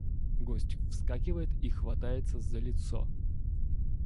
Гость вскакивает и хватается за лицо.